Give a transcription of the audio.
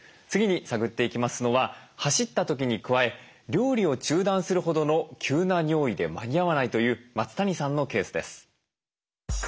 次に探っていきますのは走った時に加え料理を中断するほどの急な尿意で間に合わないという松谷さんのケースです。